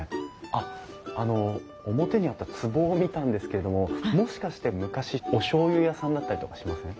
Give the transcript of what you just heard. あっあの表にあったつぼを見たんですけどももしかして昔おしょうゆ屋さんだったりとかしません？